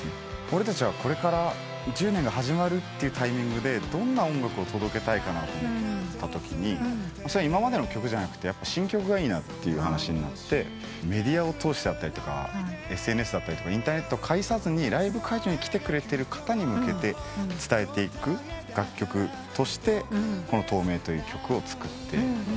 俺たちはこれから１０年が始まるってタイミングでどんな音楽を届けたいかと思ったときに今までの曲じゃなくて新曲がいいって話になってメディアやＳＮＳだったりインターネットを介さずにライブ会場に来てくれてる方に向けて伝えていく楽曲としてこの『透明』という曲を作って。